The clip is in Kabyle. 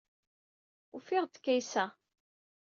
Ufiɣ-d Kaysa.